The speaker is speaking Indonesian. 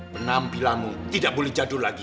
penampilanmu tidak boleh jadul lagi